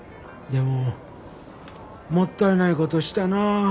でももったいないことしたなあ。